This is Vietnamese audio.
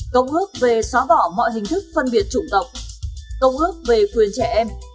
công ước về xóa bỏ mọi hình thức phân biệt chủng tộc công ước về quyền trẻ em